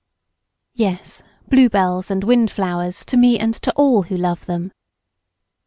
Yes, blue bells and wind flowers to me and to all who love them.